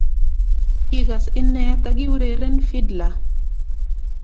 Kigas inee takiureren fidla